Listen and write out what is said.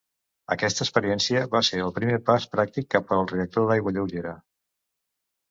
Aquesta experiència va ser el primer pas pràctic cap al reactor d'aigua lleugera.